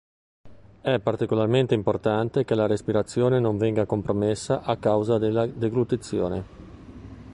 È particolarmente importante che la respirazione non venga compromessa a causa della deglutizione.